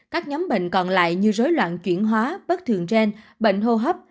các nhóm bệnh còn lại như rối loạn chuyển hóa bất thường gen bệnh hô hấp